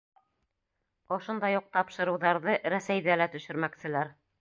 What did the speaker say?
Ошондай уҡ тапшырыуҙарҙы Рәсәйҙә лә төшөрмәкселәр.